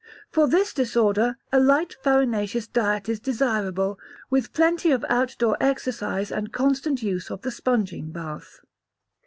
For this disorder, a light farinaceous diet is desirable, with plenty of out door exercise and constant use of the sponging bath.